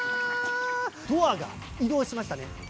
ドアが移動しましたね。